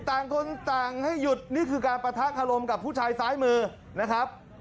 ต่างคนต่างให้หยุดนี่คือการปะทะคารมกับผู้ชายซ้ายมือนะครับ